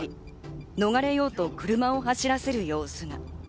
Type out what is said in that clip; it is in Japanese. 逃れようと車を走らせる様子が。